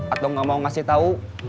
atau gak mau ngasih tau